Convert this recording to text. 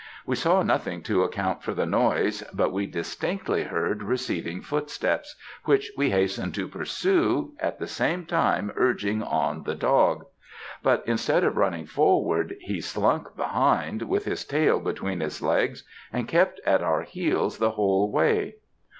We saw nothing to account for the noise; but we distinctly heard receding footsteps, which we hastened to pursue, at the same time urging on the dog; but instead of running forward, he slunk behind, with his tail between his legs, and kept at our heels the whole way.